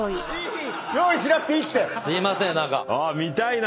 いい！